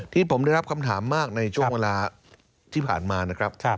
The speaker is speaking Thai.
ที่ผมได้รับคำถามมากในช่วงเวลาที่ผ่านมานะครับ